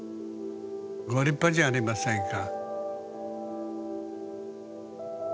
ご立派じゃありませんか。